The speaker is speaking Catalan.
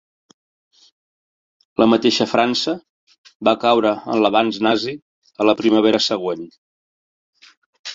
La mateixa França va caure en l'avanç nazi a la primavera següent.